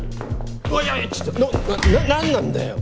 いやいやちょっと何なんだよ！